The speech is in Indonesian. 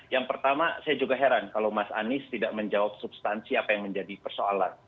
yang pertama saya juga heran kalau mas anies tidak menjawab substansi apa yang menjadi persoalan